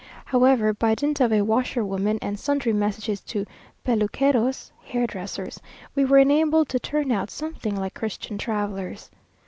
However, by dint of a washerwoman and sundry messages to peluqueros (hair dressers), we were enabled to turn out something like Christian travellers.